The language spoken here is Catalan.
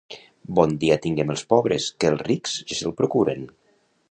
Bon dia tinguem els pobres que els rics ja se'l procuren.